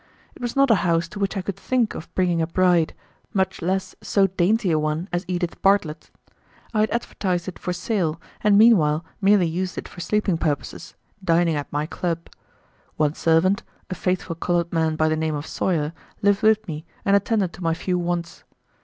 It was not a house to which I could think of bringing a bride, much less so dainty a one as Edith Bartlett. I had advertised it for sale, and meanwhile merely used it for sleeping purposes, dining at my club. One servant, a faithful colored man by the name of Sawyer, lived with me and attended to my few wants.